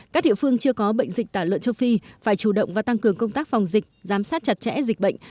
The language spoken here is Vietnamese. các địa phương chưa có bệnh dịch tả lợn châu phi phải chủ động và tăng cường công tác phòng dịch giám sát chặt chẽ dịch bệnh